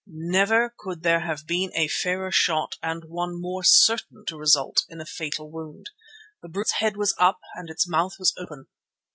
Never could there have been a fairer shot and one more certain to result in a fatal wound. The brute's head was up and its mouth was open.